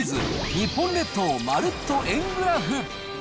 日本列島まるっと円グラフ。